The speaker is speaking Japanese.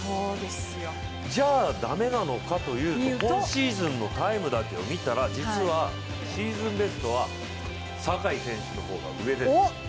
じゃあ、駄目なのかというと今シーズンのタイムを見たら実はシーズンベストは坂井選手の方が上です。